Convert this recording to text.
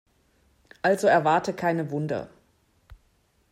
Also erwarte keine Wunder.